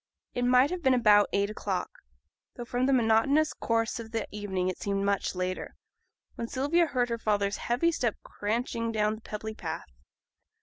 It might have been about eight o'clock though from the monotonous course of the evening it seemed much later when Sylvia heard her father's heavy step cranching down the pebbly path.